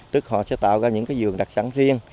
tức họ sẽ tạo ra những cái giường đặc sản riêng